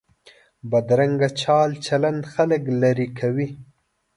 بدرنګه چال چلند خلک لرې کوي